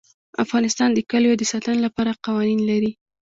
افغانستان د کلیو د ساتنې لپاره قوانین لري.